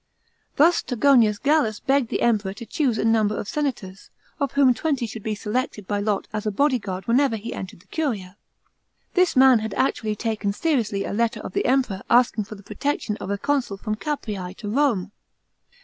Thus Togonius Gallus begged the Emperor to choose a number of senators, of whom twenty should be selected by lot as a bodyguard whenever he entered the curia. This mnn had actually taken seriously a letter of the Emperor asking for the protection of a consul from Capreas to Home.